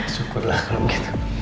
syukurlah kalau begitu